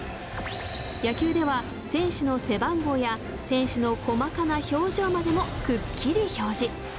野球では選手の背番号や選手の細かな表情までもくっきり表示。